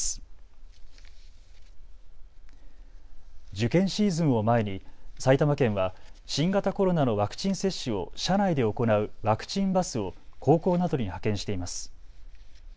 受験シーズンを前に埼玉県は新型コロナのワクチン接種を車内で行うワクチンバスを高校などに派遣しています。